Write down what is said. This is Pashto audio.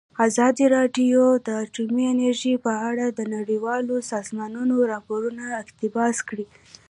ازادي راډیو د اټومي انرژي په اړه د نړیوالو سازمانونو راپورونه اقتباس کړي.